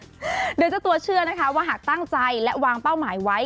โดยเจ้าตัวเชื่อนะคะว่าหากตั้งใจและวางเป้าหมายไว้